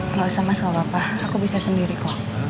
gak usah mas gak apa apa aku bisa sendiri kok